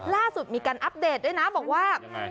ล่าสุดมีการอัปเดตด้วยนะบอกว่า